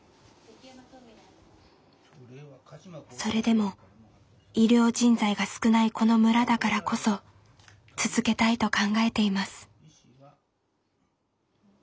それでも医療人材が少ないこの村だからこそ続けたいと考えています。